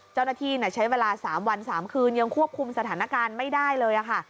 เจ้าหน้าที่ใช้เวลา๓วัน๓คืนยังควบคุมสถานการณ์ไม่ได้เลยค่ะ